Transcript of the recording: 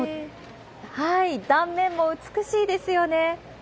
断面も美しいですよね。